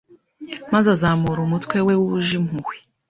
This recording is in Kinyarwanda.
maze azamura umutwe we wuje impuhwe